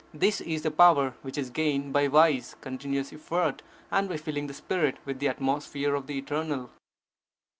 This is the power which is gained by wise, continuous effort, and by filling the spirit with the atmosphere of the Eternal.